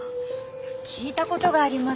聞いた事があります。